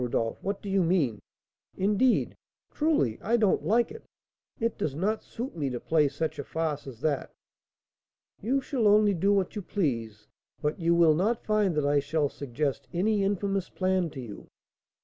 Rodolph, what do you mean? Indeed truly I don't like it; it does not suit me to play such a farce as that." "You shall only do what you please; but you will not find that I shall suggest any infamous plan to you.